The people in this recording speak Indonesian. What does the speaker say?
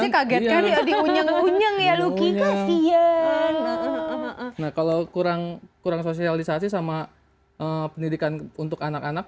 jadi unyeng unyeng ya luki kasian kalau kurang kurang sosialisasi sama pendidikan untuk anak anak